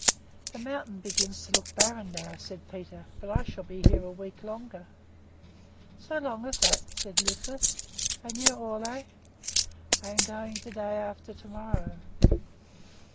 "The mountain begins to look barren now," said Peter; "but I shall be here a week longer." "So long as that?" said Lisbeth. "And you, Ole?" "I am going day after to morrow."